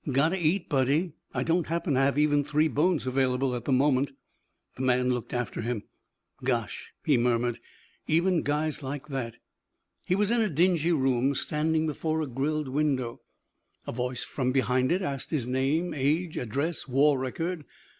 "Gotta eat, buddy. I don't happen to have even three bones available at the moment." The man looked after him. "Gosh," he murmured. "Even guys like that." He was in a dingy room standing before a grilled window. A voice from behind it asked his name, age, address, war record.